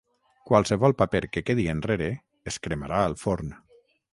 Qualsevol paper que quedi enrere es cremarà al forn.